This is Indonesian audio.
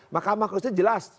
mahkamah kristi jelas